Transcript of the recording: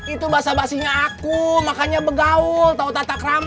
itu bahasa bahasinya aku makanya begaul tau tatakrama